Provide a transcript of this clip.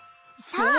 そう！